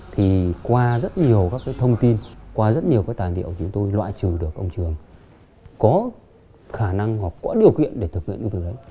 thì qua rất nhiều các cái thông tin qua rất nhiều cái tài liệu chúng tôi loại trừ được ông trường có khả năng hoặc có điều kiện để thực hiện cái việc đấy